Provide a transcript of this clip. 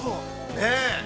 ねえ？